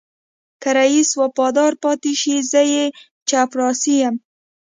که رئيس وفادار پاتې شي زه يې چپړاسی یم.